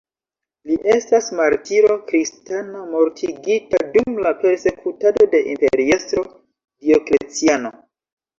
Li estas martiro kristana, mortigita dum la persekutado de imperiestro Diokleciano.